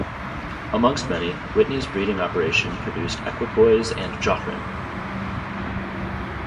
Amongst many, Whitney's breeding operation produced Equipoise and Johren.